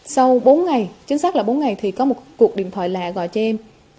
sau bốn ngày chính xác là bốn ngày thì có một cuộc điện thoại lạ gọi cho em